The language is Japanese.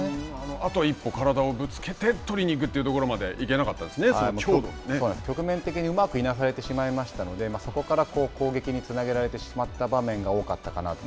あと一歩体をぶつけて取りに行くというと局面的にうまくいなされてしまいましたのでそこから攻撃につなげられてしまった場面が多かったかなと。